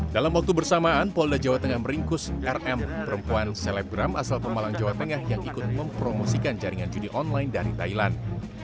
dalam waktu bersamaan polda jawa tengah meringkus rm perempuan selebgram asal pemalang jawa tengah yang ikut mempromosikan jaringan judi online dari thailand